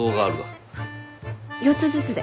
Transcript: ４つずつで。